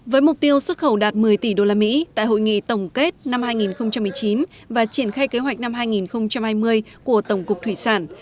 với mục tiêu xuất khẩu đạt một mươi tỷ usd tại hội nghị tổng kết năm hai nghìn một mươi chín và triển khai kế hoạch năm hai nghìn hai mươi của tổng cục thủy sản